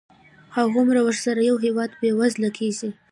هغومره ورسره یو هېواد بېوزله کېږي.